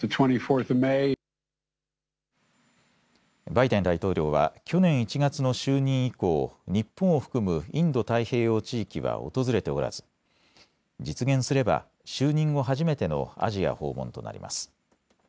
バイデン大統領は去年１月の就任以降、日本を含むインド太平洋地域は訪れておらず実現すれば就任後初めてのアジア訪問となります。